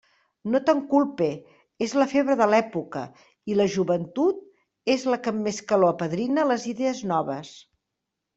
No te'n culpe; és la febre de l'època, i la joventut és la que amb més calor apadrina les idees noves.